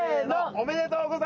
おめでとうございます。